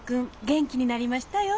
元気になりましたよ